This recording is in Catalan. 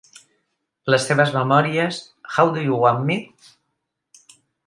Les seves memòries, "How Do You Want Me?".